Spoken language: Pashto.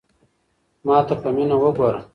ما ته په مینه وگوره.